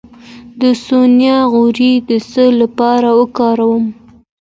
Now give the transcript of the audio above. د سویا غوړي د څه لپاره وکاروم؟